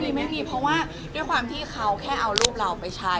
อัลดี้มันไม่มีเพราะว่าเขาแค่เอารูปเราไปใช้